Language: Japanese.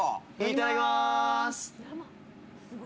いただきます！